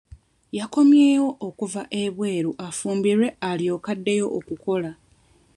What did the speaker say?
Yakomyewo okuva ebweru afumbirwe alyoke addeyo okukola.